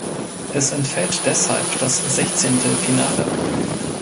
Es entfällt deshalb das Sechzehntelfinale.